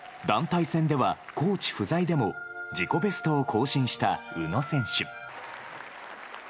団体戦では、コーチ不在でも自己ベストを更新した宇野選手。